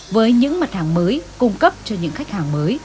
với những mặt hàng mới cung cấp cho doanh nghiệp